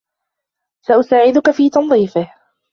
سأساعدك في تنظيفه.